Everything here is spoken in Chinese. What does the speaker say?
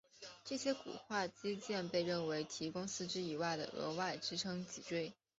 这些骨化肌腱被认为提供四肢以外的额外支撑脊椎。